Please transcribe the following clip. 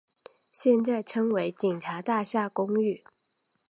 现在称为警察大厦公寓。